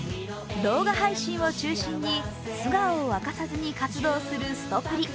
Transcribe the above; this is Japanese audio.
動画配信を中心に素顔を明かさずに活動する、すとぷり。